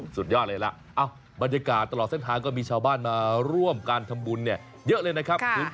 สุดยอดเลยล่ะบรรยากาศตลอดเส้นทางก็มีชาวบ้านมาร่วมการทำบุญเนี่ยเยอะเลยนะครับ